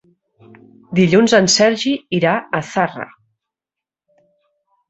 Dilluns en Sergi irà a Zarra.